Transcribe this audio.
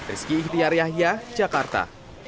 rizky ihtiar yahya jakarta